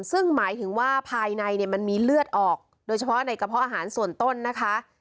ซึ่งหมายถึงว่าภายในเนี่ยมันมีเลือดออกโดยเฉพาะในกระเพาะอาหารส่วนต้นนะคะ